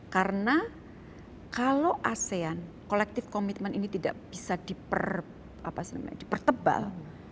karena kalau asean collective commitment ini tidak bisa dipertebal